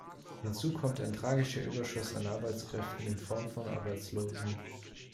Hinzu kommt ein tragischer Überschuss an Arbeitskräften in Form von Arbeitslosen.